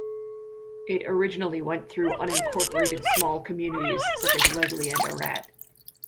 It originally went through unincorporated small comminities such as Leslie and Arat.